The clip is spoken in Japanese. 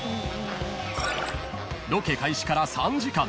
［ロケ開始から３時間］